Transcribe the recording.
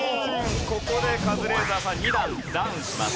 ここでカズレーザーさん２段ダウンします。